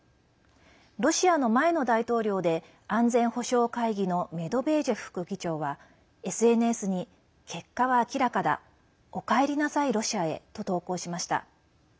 ロシアの前の大統領で安全保障会議のメドベージェフ副議長はＳＮＳに結果は明らかだおかえりなさいロシアへと投稿しました。